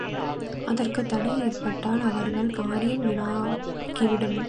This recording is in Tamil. அதற்குத் தடை ஏற்பட்டால் அவர்கள் காரியம் வீணாகிவிடும்.